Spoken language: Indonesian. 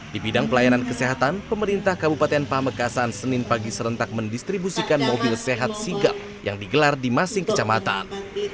di bidang pelayanan kesehatan pemerintah kabupaten pamekasan senin pagi serentak mendistribusikan mobil sehat sigap yang digelar di masing kecamatan